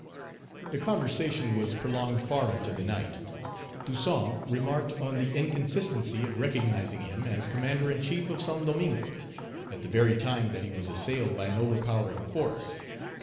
The conversation was prolonged far into the night. Toussaint remarked on the inconsistency of recognizing him as Commander in chief of Saint Domingo, at the very time that he was assailed by an overpowering force.